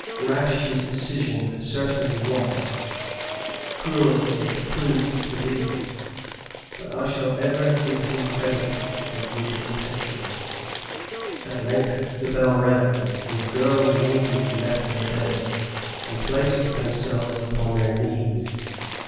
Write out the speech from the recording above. Rash his decision certainly was, cruel it proved to be; but I shall ever give him credit for good intentions. At length the bell rang, and all the girls immediately left their beds, and placed themselves upon their knees.